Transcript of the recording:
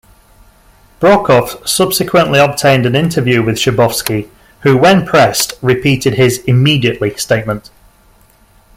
Brokaw subsequently obtained an interview with Schabowski who when pressed repeated his "immediately" statement.